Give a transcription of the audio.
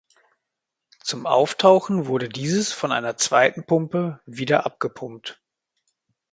Zum Auftauchen wurde dieses von einer zweiten Pumpe wieder abgepumpt.